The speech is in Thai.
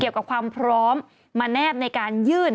เกี่ยวกับความพร้อมมาแนบในการยื่น